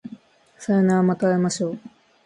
さようならまた会いましょう